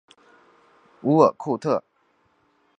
乌尔库特。